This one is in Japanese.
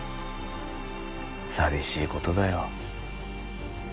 さびしいことだよ